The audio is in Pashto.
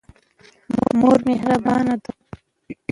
مور مهربانه ده.